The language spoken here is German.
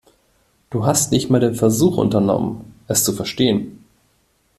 Du hast nicht mal den Versuch unternommen, es zu verstehen.